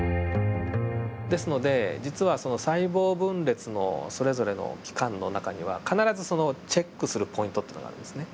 ですので実はその細胞分裂のそれぞれの期間の中には必ずそのチェックするポイントというのがあるんですね。